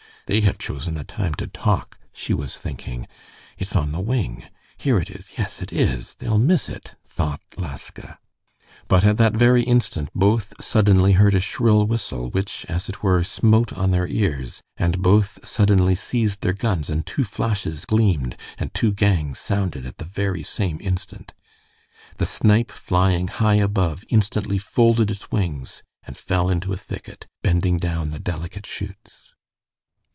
"They have chosen a time to talk," she was thinking. "It's on the wing.... Here it is, yes, it is. They'll miss it," thought Laska. But at that very instant both suddenly heard a shrill whistle which, as it were, smote on their ears, and both suddenly seized their guns and two flashes gleamed, and two bangs sounded at the very same instant. The snipe flying high above instantly folded its wings and fell into a thicket, bending down the delicate shoots.